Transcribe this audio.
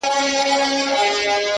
خدای زموږ معبود دی او رسول مو دی رهبر،